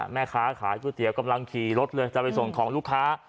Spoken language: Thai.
แม่ค้าขายก๋วยเตี๋ยวกำลังขี่รถเลยจะไปส่งของลูกค้า